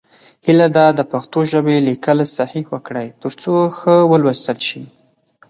هیله ده د پښتو ژبې لیکل صحیح وکړئ، تر څو ښه ولوستل شي.